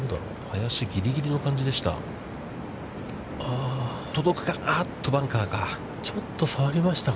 林ぎりぎりの感じでした。